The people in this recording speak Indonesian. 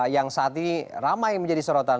yang saat ini ramai menjadi sorotan